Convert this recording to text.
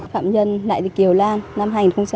phạm nhân lại từ kiều lan năm hai nghìn ba